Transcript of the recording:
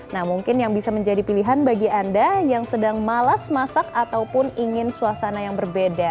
nah mungkin yang bisa menjadi pilihan bagi anda yang sedang malas masak ataupun ingin suasana yang berbeda